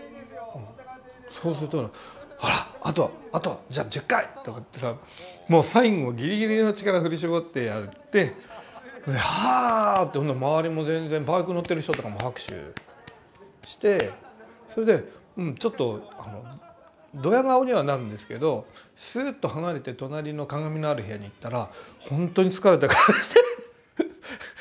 そうすると「ほらあとあとじゃ１０回」とかって言ったらもう最後ギリギリの力振り絞ってやってハーッて周りも全然バイク乗ってる人とかも拍手してそれでちょっとドヤ顔にはなるんですけどスーッと離れて隣の鏡のある部屋に行ったら本当に疲れた顔してる。